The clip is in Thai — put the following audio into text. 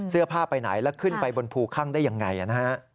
เสื้อผ้าไปไหนแล้วขึ้นไปบนภูข้างได้ยังไงนะฮะ